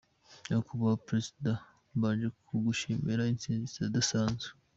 Nyakubahwa Perezida, Mbanje kugushimira intsinzi idasanzwe.